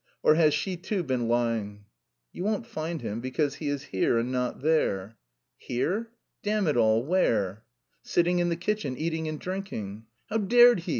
Or has she too been lying?" "You won't find him, because he is here and not there." "Here! Damn it all, where?" "Sitting in the kitchen, eating and drinking." "How dared he?"